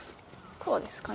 こうですかね？